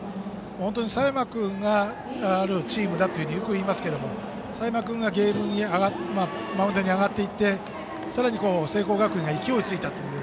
本当に、佐山君のチームだとよくいいますけど佐山君がマウンドに上がってさらに聖光学院が勢いがついた。